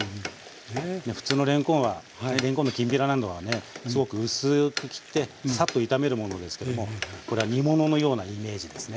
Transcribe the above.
いや普通のれんこんは普通にれんこんのきんぴらなどはねすごく薄く切ってサッと炒めるものですけどもこれは煮物のようなイメージですね。